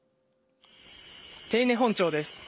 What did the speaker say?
手稲本町です。